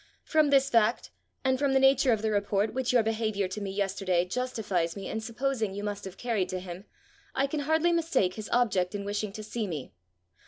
From this fact, and from the nature of the report which your behaviour to me yesterday justifies me in supposing you must have carried to him, I can hardly mistake his object in wishing to see me.